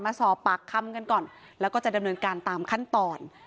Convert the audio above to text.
มาสอบปากคำกันก่อนแล้วก็จะดำเนินการตามขั้นตอน